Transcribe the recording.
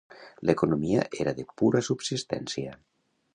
L'economia era de pura subsistència.